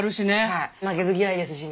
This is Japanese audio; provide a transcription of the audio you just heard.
はい負けず嫌いですしね。